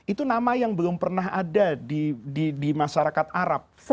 itu nama yang belum pernah ada di masyarakat arab